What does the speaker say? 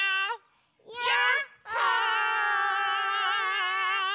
やっほ！